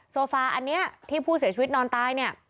โซฟาอันนี้ที่ผู้เสียชีวิตนอนตายเนี่ย